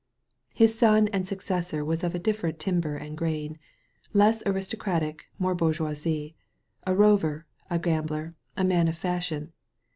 His son and successor was of a different timber and grain; less aristocratic, more bourgeois — a rover, a gambler, a man of fashion.